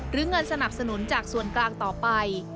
เงินสนับสนุนจากส่วนกลางต่อไป